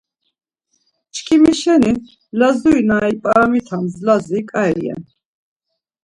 Çkimi şeni, Lazuri na ip̌aramitams Lazi, ǩai ren.